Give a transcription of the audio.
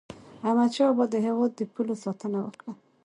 احمد شاه بابا د هیواد د پولو ساتنه وکړه.